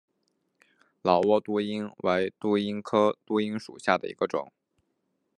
老挝杜英为杜英科杜英属下的一个种。